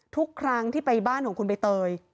ทุกครั้งที่ไปบ้านของคุณใบเตย